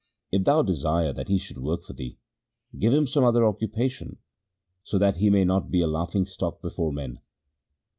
If thou desire that he should work for thee, give him some other occupation, so that he may not be a laughing stock before men.'